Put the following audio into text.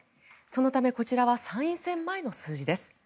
そのためこちらは参院選前の数字です。